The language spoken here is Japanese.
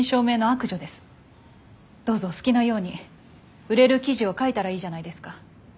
どうぞお好きなように売れる記事を書いたらいいじゃないですか。